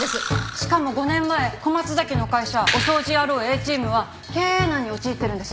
しかも５年前小松崎の会社おそうじ野郎Ａチームは経営難に陥ってるんです。